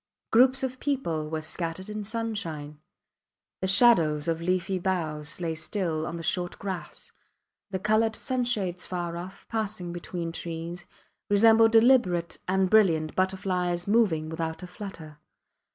Groups of people were scattered in sunshine. The shadows of leafy boughs lay still on the short grass. The coloured sunshades far off, passing between trees, resembled deliberate and brilliant butterflies moving without a flutter.